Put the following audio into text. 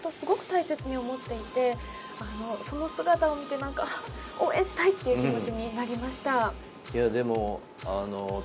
何よりも互いが互いをすごく大切に思っていて、その姿を見て応援したいっていう気持ちになりました。